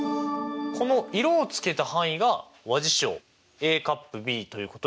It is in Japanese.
この色をつけた範囲が和事象Ａ∪Ｂということになりますよね。